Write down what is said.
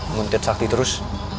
nguntit sakti terus